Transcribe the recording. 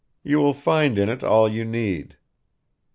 You will find in it all you need."